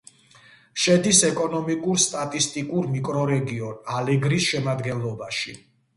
შედის ეკონომიკურ-სტატისტიკურ მიკრორეგიონ ალეგრის შემადგენლობაში.